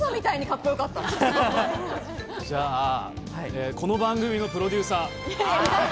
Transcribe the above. じゃあこの番組のプロデューサー。